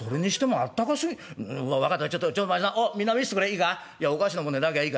いいか？